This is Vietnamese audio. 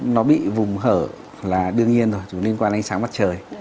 nó bị vùng hở là đương nhiên rồi liên quan ánh sáng mặt trời